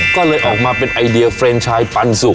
ก็เลยออกมาเป็นไอเดียเฟรนชายปันสุก